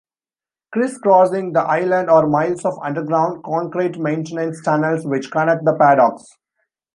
Criss-crossing the island are miles of underground concrete maintenance tunnels which connect the paddocks.